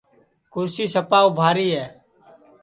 کُرسی سپا اُبھاری ہے